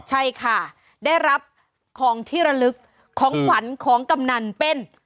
ใช่ค่ะได้รับของที่ระลึกของขวัญของกำนันเป็น